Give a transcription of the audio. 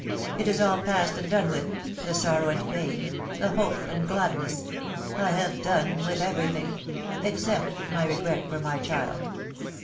It is all past and done with the sorrow and pain, the hope and gladness. I have done with everything except my regret for my child."